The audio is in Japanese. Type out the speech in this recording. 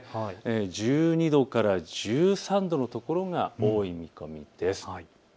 １２度から１３度の所が多い見込みです。